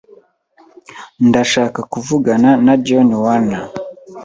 Ndashaka kuvugana na John Warner.